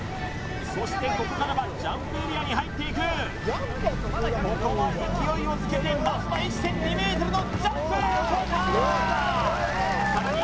そしてここからはジャンプエリアに入っていくここは勢いをつけてまずは１．２ｍのジャンプ越えたさらに１．５ｍ！